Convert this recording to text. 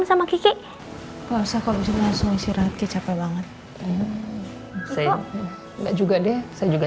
saat kita gua disini bajaj